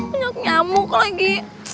uyak nyamuk lagi